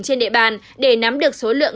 trên địa bàn để nắm được số lượng